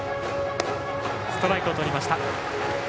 ストライクをとりました。